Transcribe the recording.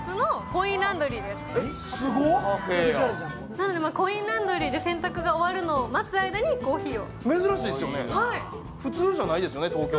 なので、コインランドリーで洗濯が終わるの待つ間にコーヒーを。